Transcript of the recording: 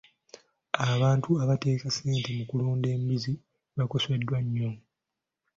Abantu abaateeka ssente mu kulunda embizzi bakoseddwa nnyo.